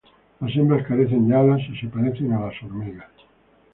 Las hembras carecen de alas y se parecen a las hormigas.